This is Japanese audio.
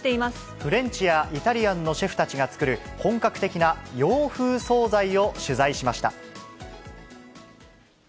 フレンチやイタリアンのシェフたちが作る、本格的な洋風総菜を取材しました。